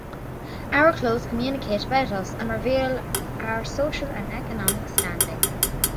Our clothes communicate about us and reveal our social and economic standing.